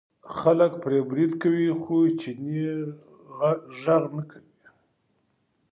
خلک پرې برید کوي خو چینی غږ نه کوي.